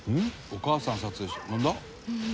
「お母さん撮影なんだ？」